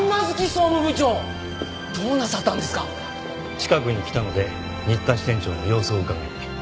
近くに来たので新田支店長の様子をうかがいに。